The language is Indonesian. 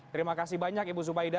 terima kasih banyak ibu zubaida